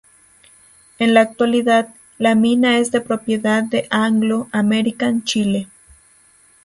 En la actualidad, la mina es de propiedad de Anglo American Chile.